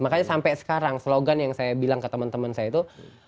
makanya sampai sekarang slogan yang saya bilang ke teman teman saya itu